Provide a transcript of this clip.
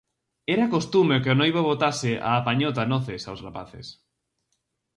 Era costume que o noivo botase á apañota noces aos rapaces.